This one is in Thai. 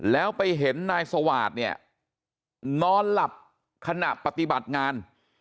แล้วไปเห็นนายสวาสเนี่ยนอนหลับขณะปฏิบัติงาน